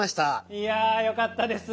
いやぁよかったです。